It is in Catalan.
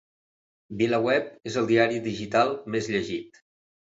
VilaWeb és el diari digital més llegit